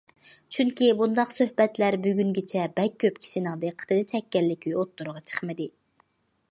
چۈنكى بۇنداق سۆھبەتلەر بۈگۈنگىچە بەك كۆپ كىشىنىڭ دىققىتىنى چەككەنلىكى ئوتتۇرىغا چىقمىدى.